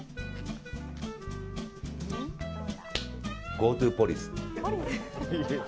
ＧｏＴｏポリス！